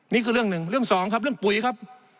นี่คือเรื่องหนึ่งเรื่องสองครับเรื่องปุ๋ยครับ